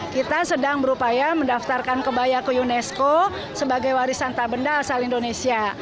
kita sedang berupaya mendaftarkan kebaya ke unesco sebagai warisan tak benda asal indonesia